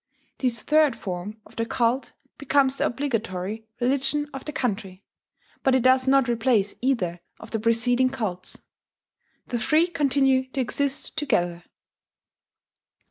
This third form of the cult becomes the obligatory religion of the country; but it does not replace either of the preceding cults: the three continue to exist together.